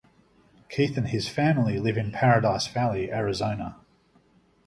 Keith and his family live in Paradise Valley, Arizona.